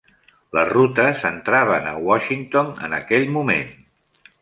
Les rutes entraven a Washington en aquell moment.